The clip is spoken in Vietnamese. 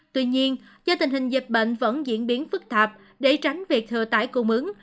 tuy nhiên do tình hình dịch bệnh vẫn diễn biến phức tạp để tránh việc thừa tải cung ứng